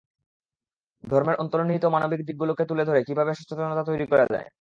ধর্মের অন্তর্নিহিত মানবিক দিকগুলোকে তুলে ধরে কীভাবে সচেতনতা তৈরি করা যায়।